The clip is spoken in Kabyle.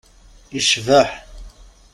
Icbeḥ!